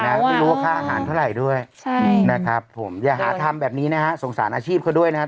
แล้วไม่รู้ว่าค่าอาหารเท่าไหร่ด้วยนะครับผมอย่าหาทำแบบนี้นะฮะสงสารอาชีพเขาด้วยนะครับ